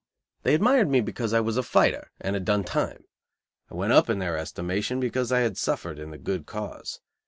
They admired me because I was a fighter and had "done time." I went up in their estimation because I had suffered in the good cause.